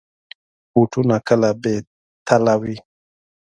بوټونه کله بې تله وي.